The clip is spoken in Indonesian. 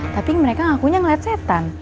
tapi mereka ngakunya ngeliat setan